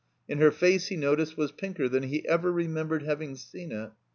And her face, he noticed, was pinker than he ever remembered having seen it.